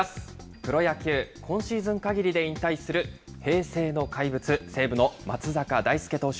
プロ野球、今シーズンかぎりで引退する平成の怪物、西武の松坂大輔投手。